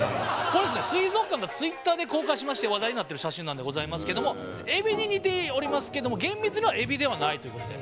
これですね水族館のＴｗｉｔｔｅｒで公開しまして話題になってる写真なんでございますけどもエビに似ておりますけども厳密にはエビではないということで。